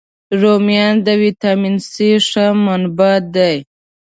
رومیان د ویټامین C ښه منبع دي